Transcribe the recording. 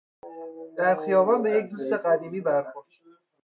در خیابان به یک دوست قدیمی برخورد.